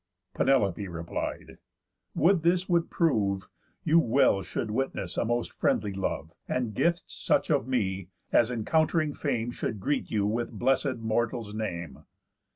Penelopé replied: "Would this would prove, You well should witness a most friendly love, And gifts such of me, as encount'ring Fame Should greet you with a blesséd mortal's name."